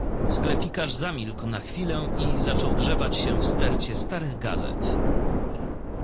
"Sklepikarz zamilkł na chwilę i zaczął grzebać się w stercie starych gazet."